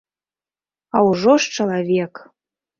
А ўжо ж чалавек!